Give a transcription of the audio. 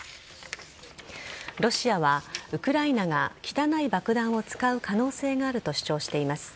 ロシアはウクライナが汚い爆弾を使う可能性があると主張しています。